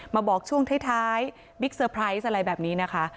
มาบอกช่วงท้ายบิ๊กเซอร์ไพรส์อะไรแบบนี้นะคะ